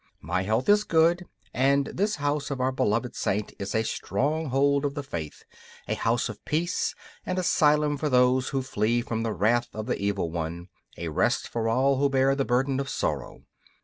My health is good, and this house of our beloved Saint is a stronghold of the Faith, a house of peace, an asylum for those who flee from the wrath of the Evil One, a rest for all who bear the burden of sorrow.